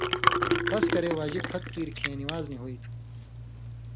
قَص کرے واجب پھَت کیر کھیں نِوان٘ز نی ہُوئ تھو۔